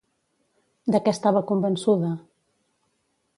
De què estava convençuda?